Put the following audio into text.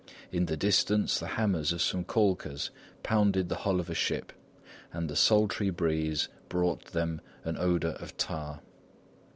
In the distance, the hammers of some calkers pounded the hull of a ship, and the sultry breeze brought them an odour of tar.